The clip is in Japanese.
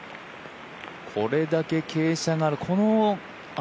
これだけ傾斜がある。